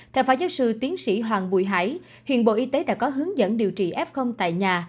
theo phó giáo sư tiến sĩ hoàng bùi hải hiện bộ y tế đã có hướng dẫn điều trị f tại nhà